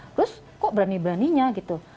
terus kok berani beraninya gitu